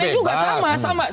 ini kan seandainya bebas